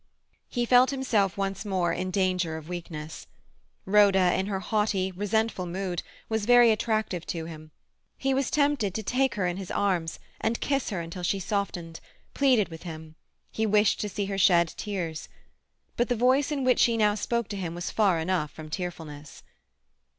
He felt himself once more in danger of weakness. Rhoda, in her haughty, resentful mood, was very attractive to him. He was tempted to take her in his arms, and kiss her until she softened, pleaded with him. He wished to see her shed tears. But the voice in which she now spoke to him was far enough from tearfulness.